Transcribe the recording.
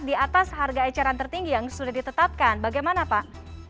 di atas harga eceran tertinggi yang sudah ditetapkan bagaimana pak